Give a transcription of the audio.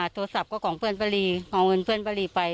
โทรศัพท์ก็ของเพื่อนบรีเอาเงินเพื่อนบรีไป